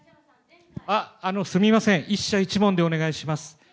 すみません、１社１問でお願いします。